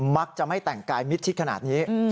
มักจะไม่แต่งกายมิดชิดขนาดนี้